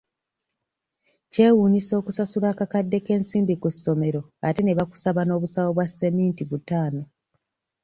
Kyewuunyisa okusasula akakadde k'ensimbi ku ssomero ate ne bakusaba n'obusawo bwa ssementi butaano.